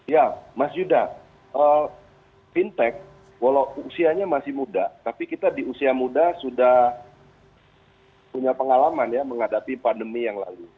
ya mas yuda fintech walau usianya masih muda tapi kita di usia muda sudah punya pengalaman ya menghadapi pandemi yang lalu